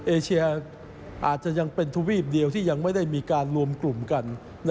เอเชียอาจจะยังเป็นทวีปเดียวที่ยังไม่ได้มีการรวมกลุ่มกัน